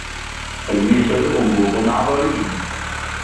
المهبل أنبوب عضلي.